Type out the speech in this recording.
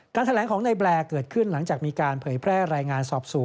แถลงของในแบลเกิดขึ้นหลังจากมีการเผยแพร่รายงานสอบสู่